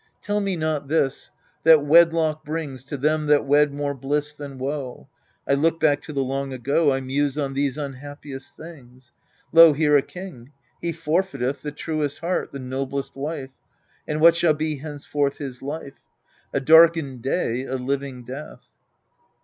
Tell me not this, that wedlock brings To them that wed more bliss than woe. I look back to the long ago ; I muse on these unhappiest things. Lo, here a king he forfeiteth The truest heart, the noblest wife : And what shall be henceforth his life ?, A darkened day, a living death.